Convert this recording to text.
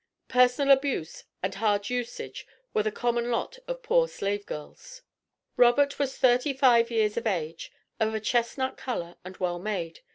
Personal abuse and hard usage, were the common lot of poor slave girls. Robert was thirty five years of age, of a chestnut color, and well made.